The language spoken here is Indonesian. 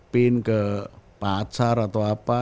pin ke pasar atau apa